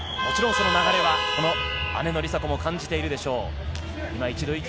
もちろんその流れは姉の梨紗子も感じているでしょう。